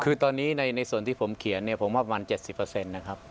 คือตอนนี้ในส่วนที่ผมเขียนเนี่ยผมว่าประมาณ๗๐นะครับ